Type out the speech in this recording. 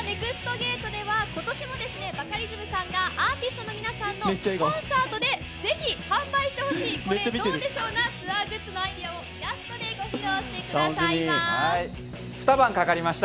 ゲートでは、ことしもバカリズムさんが、アーティストの皆さんのコンサートで、ぜひ販売してほしい、これ、どうでしょうなツアーグッズのアイデアを、イラストでご披露して２番かかりました。